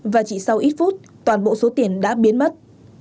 và chỉ sau ít phút toàn bộ số tiền đã biến mất